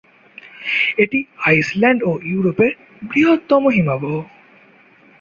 এটি আইসল্যান্ড ও ইউরোপের বৃহত্তম হিমবাহ।